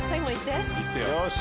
「よし。